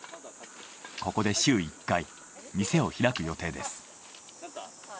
ここで週１回店を開く予定です。